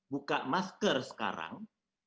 buka masker sekarang